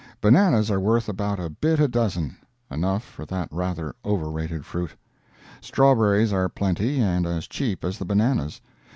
Bananas are worth about a bit a dozen—enough for that rather over rated fruit. Strawberries are plenty, and as cheap as the bananas.